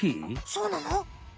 そうなの？